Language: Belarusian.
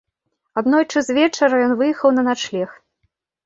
Аднойчы звечара ён выехаў на начлег.